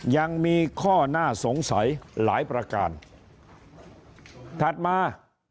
ยังมีข้อน่าสงสัยหลายประการถัดมา